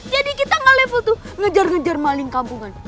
jadi kita gak level tuh ngejar ngejar maling kampungan